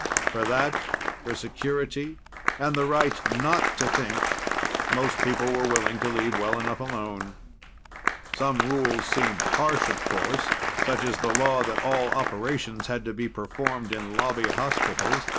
For that, for security and the right not to think, most people were willing to leave well enough alone. Some rules seemed harsh, of course, such as the law that all operations had to be performed in Lobby hospitals.